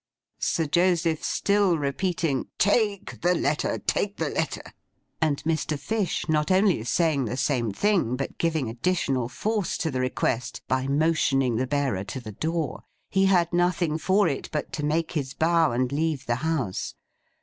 Sir Joseph still repeating 'Take the letter, take the letter!' and Mr. Fish not only saying the same thing, but giving additional force to the request by motioning the bearer to the door, he had nothing for it but to make his bow and leave the house.